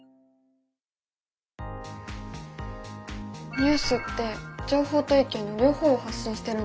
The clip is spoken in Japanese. ニュースって情報と意見の両方を発信してるんだね。